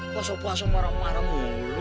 pasal pasal marah marah mulu